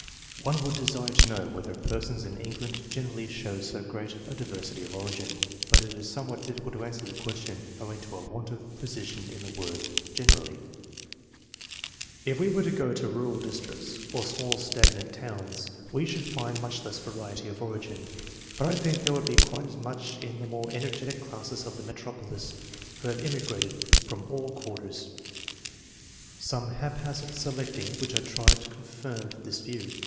One would desire to know whether persons in England generally show so great a diver sity of origin; but it is somewhat difficult to answer the question owing to a want of precision in the word " generally." If we were to go to rural districts, or small stag nant towns, we should find much less variety of origin; but I think there would be quite as much in the more energetic classes of the metropolis, who have immigrated from all c 18 ENGLISH MEN OF SCIENCE. [chap. quarters. Some haphazard selecting which I tried confirmed this view.